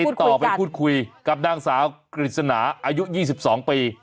ติดต่อไปพูดคุยกับนางสาวกฤษณาอายุ๒๒ปี